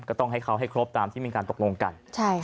ก็ต้องให้เขาให้ครบตามที่มีการตกลงกัน